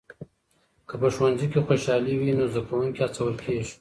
که په ښوونځي کې خوشالي وي نو زده کوونکي هڅول کېږي.